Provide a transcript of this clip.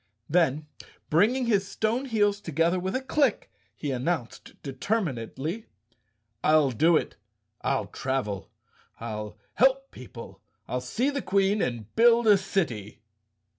Then, bring¬ ing his stone heels together with a click, he announced determinedly, "I'll do it! I'll travel, I'll help people, I'll see the Queen and build a city!"